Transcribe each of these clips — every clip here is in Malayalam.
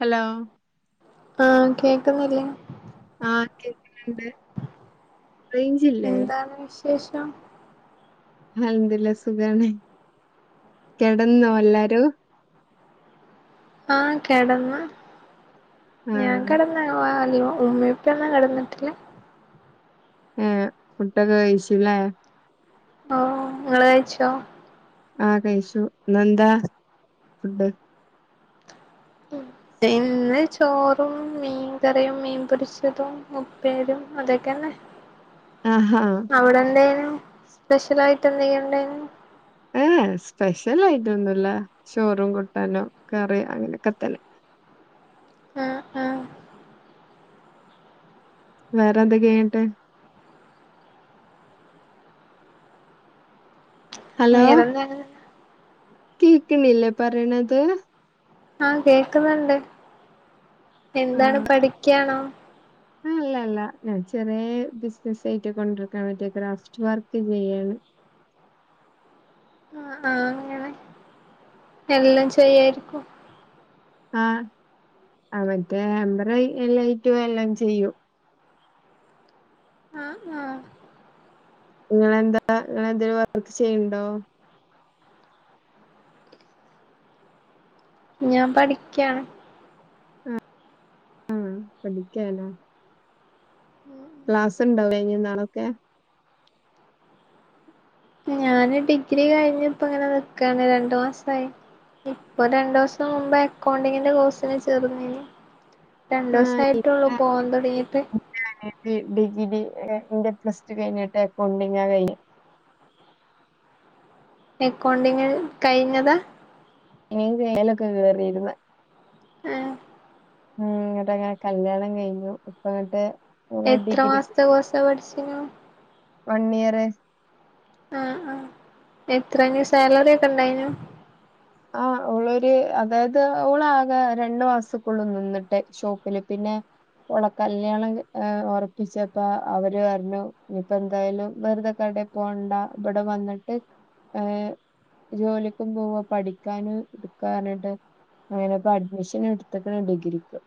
ഹലോ ആഹ് കേക്ക്ന്നില്ലേ ആഹ് കേക്ക്ന്ന്ണ്ട്. എന്താണ് വിശേഷം? അൽഹംദുലില്ലാഹ് സുഖാണ് കെടന്നോ എല്ലാരും? ആഹ് കെടന്ന് ആ ഞാൻ കെട [unintelligible] ഉമ്മീം ഉപ്പയൊന്നും കെടന്നിട്ടില്ല. ഏഹ് ഫുഡൊക്കെ കഴിച്ചുലേ ഓഹ് ങ്ങള് കഴ്ച്ചോ? ആഹ് കഴ്ച്ചു. പിന്നെന്താ ഫുഡ്? ഇന്ന് ചോറും മീൻ കറിയും മീൻപൊരിച്ചതും ഉപ്പേരിം അതൊക്കെന്നെ. ആഹ് ആഹാ അവിടെ എന്തേയ്നു സ്പെഷ്യൽ ആയിട്ട് എന്തെണ്ടേയ്ന്യോ? ഏഹ് ഏഹ് സ്പെഷ്യൽ ആയിട്ട് ഒന്നുല്ല. ചോറും കൂട്ടാനും കറിം അങ്ങനൊക്കെ തന്നെ. ആഹ് ആഹ്. വേറെ എന്തൊക്കെന്നട്ട്. ഉയരെന്നെണ് കേക്ക്ണില്ലെ പറയ്ണത് ആഹ് കേക്ക്ണ്ണ്ട് എന്താണ് പഠിക്കാണോ ഉം അല്ലല്ല ഞാൻ ചെറ്യേ ബിസ്നെസെയ്ട്ട് കൊണ്ടട്ക്കാൻ വേണ്ടി ക്രാഫ്റ്റ് വർക്ക് ചെയ്യാണ്. ആഹ് ആഹ് അങ്ങനെ എല്ലം ചെയ്യായ്ര്ക്കും. ആഹ് ആമറ്റേ അമ്പറയ് എല്ലായിറ്റും എല്ലാം ചെയ്യും ആഹ് ആഹ് നിങ്ങളെന്താ നിങ്ങളെന്തെലും വർക്ക് ചെയ്ണ്ടോ ഞാൻ പഠിക്ക്യാണ് ആഹ് ആഹ് പഠിക്ക്യാലെ ഉം ക്ലാസ്ണ്ടാവ് ലെ ഇനി നാളൊക്കെ. ഞാന് ഡിഗ്രി കഴിഞ്ഞപ്പങ്ങനെ നിക്കാണ് രണ്ടു മാസായി. ഇപ്പൊ രണ്ടുസം മുബേ അക്കൗണ്ടിങ്ങിൻ്റെ കോഴ്സിനെ ചേർന്നിനി രണ്ട്സയിട്ടേള്ളൂ പോവാൻ തൊട്ങ്ങിട്ട്. ന്റെ അനിയത്തി ഡിഗിരി ഏഹ് ന്റെ പ്ലസ് ടു കഴ്ഞ്ഞിട്ട് അക്കൗണ്ടിങ്ങാ കഴ്ഞ്ഞെ എക്കൗണ്ടിങ്ങില് കഴ്ഞ്ഞതാ ഏത് ഏലക്കോ കേറിര്ന്ന് ആഹ് ഉം ഇങ്ങട്ടക്കെ കല്യാണം കഴിഞ്ഞു ഇപ്പങ്ങട്ട്. എത്ര മാസത്തെ കോയ്സാ പഠിച്ചീനു. വൺ ഇയറ് ആഹ് ആഹ് എത്രങ്ക സാലറിയൊക്കെ ഇണ്ടയ്നോ ആഹ് ഓളൊരു അതായത് ഓളാകെ രണ്ടു മാസക്കൊള്ളു നിന്നിട്ട് ഷോപ്പില് പിന്നെ. ഓള കല്യാണം ഉറപ്പിച്ചപ്പ അവര് പറഞ്ഞു. ഇനിപ്പെന്തായാലും വെറുതെ ക്കാടെ പോവണ്ട. ഇബടെ വന്നിട്ട് ഏഹ് ജോലിക്കും പോക പഠിക്ക. പഠിക്കാനും ഇട്ക്കാറ്ഞ്ഞിട്ട് അങ്ങനെ ഇപ്പോ അഡ്മിഷന് ഇട്ത്ത്ക്ക്ണ് ഡിഗ്രിക്ക്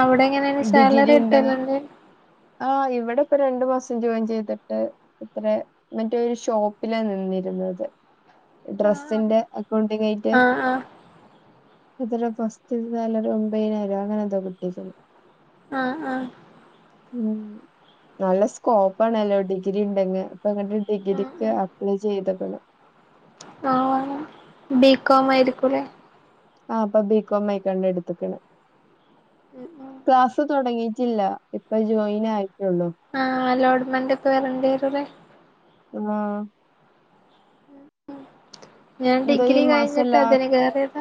അവിടെങ്ങനെണ് ഡിഗ്രി സാലറി ഇണ്ടങ്ങ കിട്ടല്ണ്ട്. ആഹ് ഇവിടെ ഇപ്പ രണ്ടു മാസം ജോയിൻ ചെയ്തിട്ട്. എത്രെ മറ്റേ ഒരു ഷോപ്പിലാ നിന്നിരുന്നത്. ആഹ് ഡ്രസ്സിന്റെ അക്കൗണ്ടിങ്ങായിട്ട് ആഹ് എത്ര പസ്റ്റ് സാലറി ഒമ്പത്തിനായിരോ അങ്ങനെന്തോ കിട്ടിക്ക്ണത് ആഹ് ആഹ് ഉം നല്ല സ്കോപ്പ് ആണല്ലോ ഡിഗ്രി ഇണ്ടെങ്കി അപ്പൊ ങ്ങട്ട് ഡിഗ്രിക്ക് ആഹ് അപ്ലൈ ചെയ്ത്ക്ണ്. ആഹ് ബികോം ആയിരിക്കൂല്ലേ. ആ പ്പൊ ബികോമ്മയ്കണ്ടെടുത്ക്ണ് ഉം ഉം ക്ലാസ് തൊടങ്ങിട്ടില്ല. ഇപ്പ ജോയിൻ ആയിട്ടെള്ളു ആ് അലോട്ട്മെന്റ് ഒക്കെ വരേണ്ടിരുല്ലേ. ചുമ്മാ ഞാൻ എന്തോ ഈ ഡിഗ്രി മാസം കഴിഞ്ഞിട്ട് ലാസ് അതിന് കേറിയത്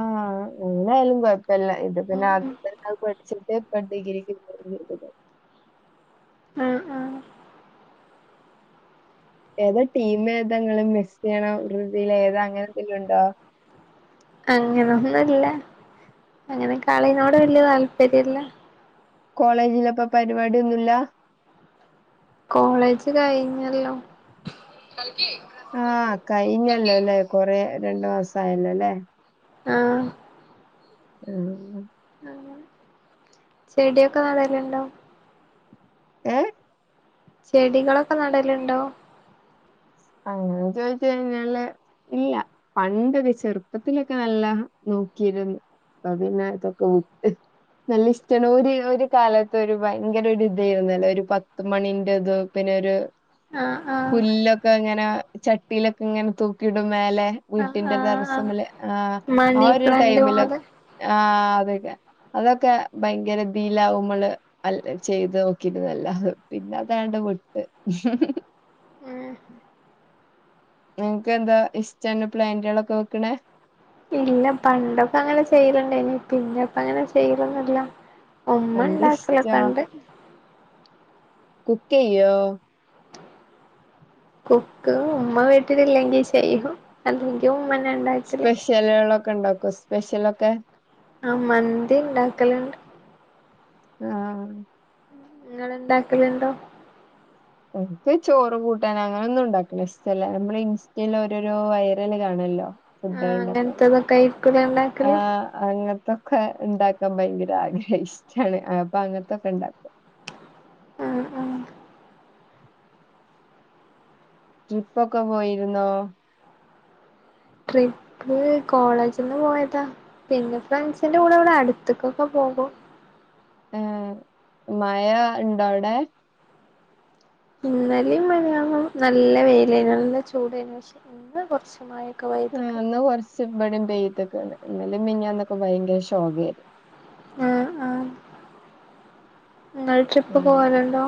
ആഹ് എങ്ങനായാലും കൊഴപ്പല്ല ഇത് ഉം പിന്നെ ഉം ആദ്യം തന്നെ പഠിച്ചിട്ട് ഇപ്പ ഡിഗ്രക്ക് [unintelligible] ആഹ് ആ ഏതാ ടീം ഏതെങ്കിലും മെസ്സി യാണോ ബ്രസീൽ ൽ ഏതാ അങ്ങനെന്തങ്കിലും ഉണ്ടോ അങ്ങനൊന്നുംല്ല അങ്ങനെ കളീനോട് വല്യ താല്പര്യല്ല. കോളേജിലൊക്കെ പരിപാടിയൊന്നുല്ല. കോളേജ് കഴിഞ്ഞല്ലോ ആഹ് കഴിഞ്ഞല്ലോല്ലേ കൊറെ രണ്ടു മാസം ആയല്ലോല്ലേ ആഹ് ആഹ് ചെടിയൊക്കെ നടലുണ്ടോ ഏ ചെടികളൊക്കെ നടലുണ്ടോ അങ്ങനെ ചോദിച്ച് കഴിഞ്ഞാല് ഇല്ല പണ്ട് ഒരു ചെറുപ്പത്തിലൊക്കെ നല്ല നോക്കി ഇരുന്നു ഇപ്പപ്പിന്നെ ഇതൊക്കെ വിട്ട് നല്ല ഇഷ്ടാണ് ഒരു ഒരു കാലത്ത് ഒരു ഭയങ്കര ഒരു ഇതായിന്നു അല്ലെ ഒരു പത്ത് മണിന്റെത് പിന്നെ ഒരു ആഹ് ആഹ് പുല്ലൊക്കെ ഇങ്ങനെ ചട്ടിയല് ഒക്കെ ഇങ്ങനെ തൂക്കിയിടും മേലെ ആഹ് വീട്ടിന്റെ ആഹ് ആഹ് ടറസിമേല് ആ ആ മണി ഒരു പ്ലാന്റ് ടൈമില് പോലെ ആ അത് ഒക്കെ അത് ഒക്കെ ഭയങ്കര ദീലാവും മ്മള് അല്ല ചെയ്ത് നോക്കി ഇരുന്നത് അല്ല പിന്നെ അതാണ്ട് വിട്ട് ഉം [unintelligible] നിങ്ങക്ക് എന്താ ഇഷ്ട ഇങ്ങനെ പ്ലാന്റുകള് ഒക്കെ വെക്കണേ ഇല്ല പണ്ടൊക്കെ അങ്ങനെ ചെയല് ഒണ്ടായിന്ന് പിന്നെ ഇപ്പ അങ്ങനെ ചെയ്യലൊന്നും ഇല്ല ഉമ്മ എന്താ ഉണ്ടാക്കലൊക്കെ ഇഷ്ടാ ഒണ്ട് കുക്കയ്യോ കുക്ക് ഉമ്മ വീട്ടില് ഇല്ലെങ്കിൽ ചെയ്യും അല്ലെങ്കിൽ ഉമ്മന്നെ ഇണ്ടാക്കല് എലകള് ഒക്കെ ഒണ്ടാക്കുവോ സ്പെഷ്യല് ഒക്കെ ആ മന്തി ഇണ്ടാക്കല് ഒണ്ട് ആഹ് നിങ്ങള് എണ്ടാക്കലുണ്ടോ എക്ക് ചോറ് കൂട്ടാന് അങ്ങനെ ഒന്നും ഉണ്ടാക്കണ ഇഷ്ട അല്ല നമ്മള് ഇൻസ്റ്റയിൽ ഓരോരോ വൈറല് കാണുല്ലോ കൂട്ടാൻ ആഹ് ഒണ്ടാക്കാന് അങ്ങനത്തതൊക്കെ ആയിരിക്കൂലേ ഇണ്ടാക്കല് ആഹ് അങ്ങനത്തെ ഒക്കെ ഉണ്ടാക്കാൻ ഭയങ്കര ആഗ്രഹ ഇഷ്ടാണ് അപ്പ അങ്ങനത്തെ ഒക്കെ ഉണ്ടാക്കും ഉം ഉം ട്രിപ്പ് ഒക്കെ പോയിരുന്നോ ട്രിപ്പ് കോളേജിന്ന് പോയതാ പിന്നെ ഫ്രണ്ട്സിന്റെ കൂടെ ഇവിടെ അടുത്ത് ഒക്കെ പോകും ആ. മയ ഇണ്ടൊ അവിടെ ഇന്നലെയു മിനിഞ്ഞാന്നും നല്ല വെയില് ആയിന്നു നല്ല ചൂട് ആയിന്നു പക്ഷേ ഇപ്പ കൊറച്ച് മയ ആ ഇന്ന് കൊറച്ച് ഇവിടെയും പെയ്തേക്കണ് ഇന്നലെ മിനിഞ്ഞാന്ന് ഒക്കെ ഭയങ്കര ഷോക്ക ആയിരുന്നു ആഹ് ആഹ് ഇങ്ങൾ ട്രിപ്പ് ആഹ് പോവല് ഒണ്ടോ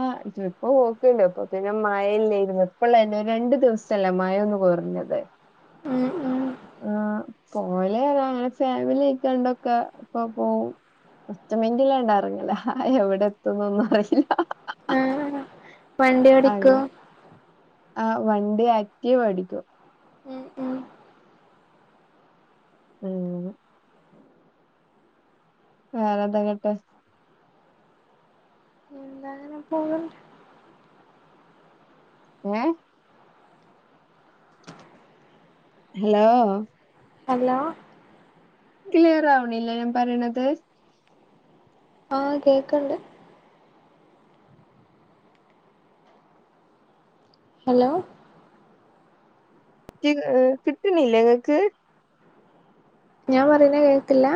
ആഹ് ട്രിപ്പ് പോക്കേ ഇല്ല ഇപ്പൊ പിന്നെ മയ അല്ലേയിരുന്നോ ഇപ്പള് അല്ല രണ്ടു ദിവസം - - സലഒന്ന് കൊറഞ്ഞത് മം ഉ. ഒരുങ്ങി ആ പോലെരാ ആ ഫാമിലി കൊണ്ട് ഒക്കെ ഇപ്പൊ പോവും ഒച്ച മൈൻഡ് ഉള്ള എന്താ അറിയില്ല. എവിടെ എത്തുമ്പ ഒന്നും അറിയില്ല. ആഹ് വണ്ടി അ ഓടിക്കോ ആ വണ്ടി ആത്റീലപടിക്കും. ഉം ഉം ഉം വേറെ എന്ത് ഒക്കെ എണ്ട് എന്താ ബന്ധങ്ങനെ എപ്പോഴും ഏഹ് ഹലോ അള. ക്ലിയർ ആവണില്ലേ ഞാൻ പറിയണത്. ആഹ് കേക്ക്ണ്ട്. അലൊ. കി എഹ് കിട്ട്ണ്ല്ലെ ഇങ്ങക്ക്? ഞാ പറയുന്നെ കേക്ക്ല്ല.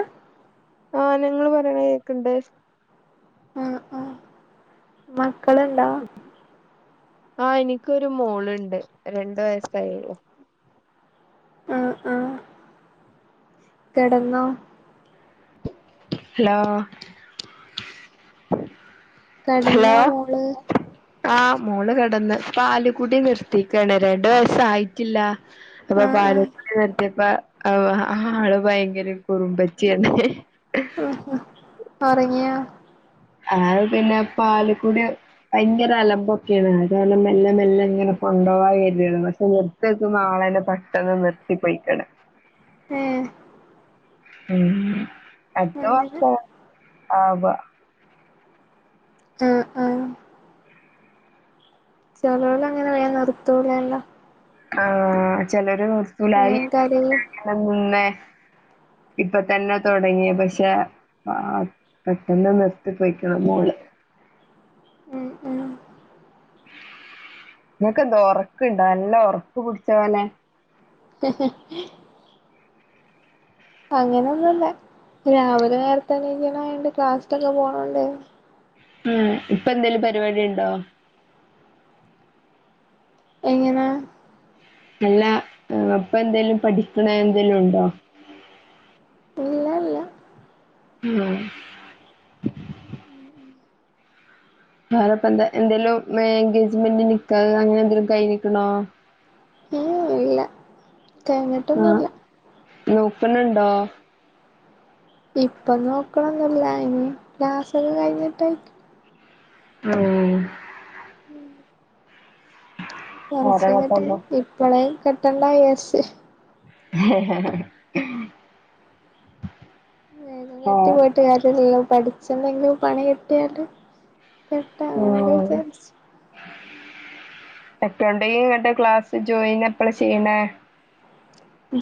ആഹ് നിങ്ങൾ പറിണെ കേൾക്ക്ണ്ട്. ആഹ് ആഹ്. മക്കള്ണ്ടോ? ആഹ് എനിക്കൊര് മോള്ണ്ട്. രണ്ട് വയസ്സായെഒള്ളു. ആഹ് ആഹ്. കെടന്നോ? ഹലോ. കെടന്നോ മോള്? ആഹ് മോള് കെടന്ന്. പാല്കുടി ന്നിർത്തീക്കാണ്. രണ്ട് വയസായി. റ്റില്ല അപ്പൊ ആ ആ പാല്കുടി നിർതിപൊ ഓഹ് അ ആള് ഭയങ്കര കുറുമ്പച്യാണ്. ഒറങ്ങ്യോ? ആഹ് പിന്നെ പാല്കുടയെ ഭയങ്കര അലമ്പൊക്കേണ്. അതാണ് മെല്ലെ മെല്ലെ കൊണ്ടോവാവ് വെര്നത് പശെ ന്നിർ ത്തെക്കും ന്നാളെന്നെ പെട്ടെന്ന് ന്നിർത്തി പോയ്ക്ക്ണ്. ഏഹ്. ഉം അട്ത അങ്ങനെ മാസ ആവ്യ. ഉം ഉം ചെലോലങ്ങനെ വേം ന്നിർത്തൂലല്ലൊ. ആഹ് ചെലോര് ന്നിർത്തൂല വേഗം കരയും [unintelligible] നിന്നെ. ഇപ്പതന്നെ തൊടങ്ങി പഷെ. ആഹ് ഇപ്പതന്നെ ന്നിർത്തി പൊയ്ക്ക്ണ് മോള്. ഉം ഉം ഇങ്ങക്കെന്താ ഒറക്ക്ണ്ടൊ. അല്ല ഒർക്ക് പുട്ച്ച പോലെ. ഹ്ഹ് അങ്ങനെ ഒന്നുല്ല രാവിലെ നേരത്തെണീക്ക്ണോണ്ട് ക്ലാസ്സ്ക്കൊക്കെ പോണോണ്ട്. ഉം ഇപ്പ എന്തേലും പരിവാടിണ്ടോ? എങ്ങനെ? അല്ല ഏഹ് ഇപ്പ എന്തേലും പഠിക്ക്ണെ എന്തേലുണ്ടോ? ഇല്ല ഇല്ല ഉം വേറെപ്പ എന്താ എന്തേലും മെ എൻഗേജ്മെന്റ് നിക്കാഹ് അങ്ങനെ എന്തെങ്ക്‌ലും കൈഞ്ക്ക്ണോ? കയ്ഞ്ട്ടൊന്നുല്ല. ന്നോക്ക്ണ് ണ്ടോ? ഇപ്പം ന്നോക്കണന്നുല്ല ഇഞ്ഞി ക്ലസൊക്കെ കഴിഞ്ഞിട്ട്. ആഹ് ഓരോ കൊറച്ചയ്ഞ്ട്ട് ഇപ്പളേ കെട്ടണ്ട വിജാര്ച്ച്. ഹ് ഹ് ഹ് ങ്ങനെ ഇട്ട് പോയ്ട്ട് കാര്യന്നുല്ല പഠിചെന്തെങ്കിലും പണി കിട്ടിയാല്. കെട്ടാ അങ്ങനൊക്കെ വിജാര്ച്ച്. എക്കൗണ്ടെ [unintelligible] ഇങ്ങട്ട് ക്ലാസ്സ് ജോയിന് എപ്പള ചെയ്യ്ണേ?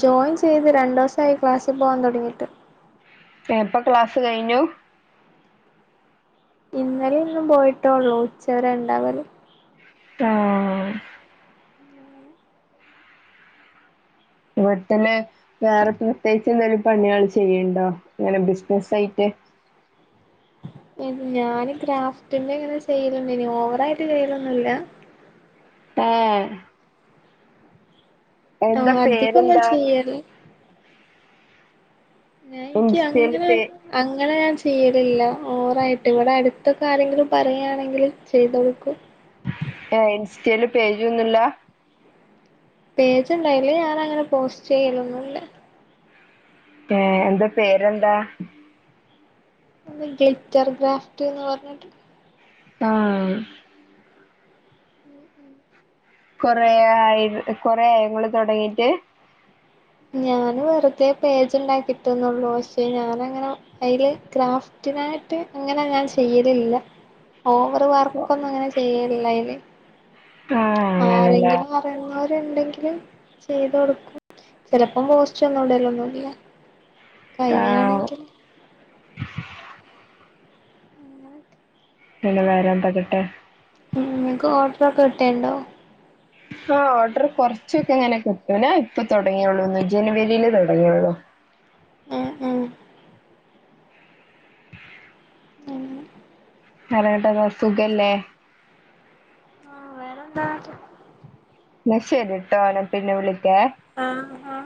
ജോയിൻ ചെയ്ത് രണ്ടോസായി ക്ലാസ്സിൽ പോവാൻ തൊടങ്ങിട്ട്. എഹ് ഇപ്പൊ ക്ലാസ് കഴിഞ്ഞു? ഇന്നലിം ഇന്നും പോയ്ട്ടോള്ളൂ ഉച്ചവരെണ്ടാവല്. ആഹ്. ഇവട്ത്തന്നെ വേറെ പ്രത്യേയിച്ച് എന്തെലും പണ്യാൾ ചെയ്യ്ണ്ടോ ഇങ്ങനെ ബിസ്നസായ്റ്റ്. ഇദ് ഞാന് ഗ്രഫ്റ്റ്ന്റെ ഇങ്ങനെ ചെയ്യലണ്ട്യ്നി ഓവറായ്റ്റ് ചെയ്യലൊന്നുല്ല. ആഹ് എന്താ ആഹ് അധികൊന്നും പേരെന്താ ചെയ്യല്. ഏഹ് ഇൻക്ക് ഇൻസ്റ്റയില് അങ്ങനെ പേ അങ്ങനെ ഞാൻ ചെയ്യലില്ല ഓവറായിട്ട് ഇവിടെ അടുത്തൊക്കെ ആരെങ്കിലും പറയാണെങ്കിൽ ചെയ്ത് കൊടുക്കും ഏഹ് ഇൻസ്റ്റൽ പേജ് ഒന്നുല്ല പേജ് ഇണ്ട് അയ്ല് ഞാൻ അങ്ങനെ പോസ്റ്റ് ചെയ്യലൊന്നൂല്ല ഏഹ് എന്താ പേരെന്താ ഗ്ലിറ്റർ ഗ്രാഫ്റ്റ് എന്ന് പർഞ്ഞിട്ട് ആഹ് ഉം ഉം കൊറേ ആയി കൊറേ ആയോ ഇങ്ങൾ തൊടങ്ങിട്ട് ഞാന് വെറുതെ പേജ് ഉണ്ടാക്കിട്ട് ന്നൊള്ളു പക്ഷേ ഞാനങ്ങനെ അതില് ക്രാഫ്റ്റിനായിട്ട് അങ്ങനെ ഞാൻ ചെയ്യലില്ല ഓവർ വർക്കൊന്നും അങ്ങനെ ചെയ്യലില്ല അതില് ആഹ് അങ്ങനെല്ലേ ആരെങ്കിലും പറിണോര്ണ്ടെങ്കില് ചെയ്തു കൊടുക്കും ചെലപ്പം പോസ്റ്റ് ഒന്നുടലൊന്നുല്ല്യ കയ്യ് ആഹ് ആണെങ്കി പിന്നെ വേറെന്താ കിട്ടാ ഇങ്ങൾക്ക് ഓർഡർ ഒക്കെ കിട്ടൽണ്ടോ ആഹ് ഓർഡർ കൊർച്ചൊക്കെ ഇങ്ങനെ കിട്ടൂ ഞാ ഇപ്പൊ തൊടങ്ങിയുള്ളൂ ജനുവരില് തൊടങ്ങിയുള്ളു ഉം ഉം ആഹ് കാലഘട്ടം എന്താ സുഖല്ലേ വേറെന്താ ന്നാ ശെരി ട്ടോ ഞാൻ പിന്നെ വിളിക്കേ ആഹ് ആഹ്